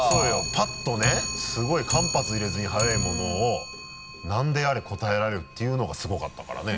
パッとねすごい間髪入れずに速いものを何であれ答えられるっていうのがすごかったからね。